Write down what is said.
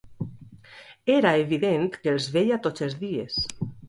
Era evident que els veia tots els dies.